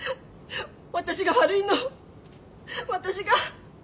私が悪いの私が。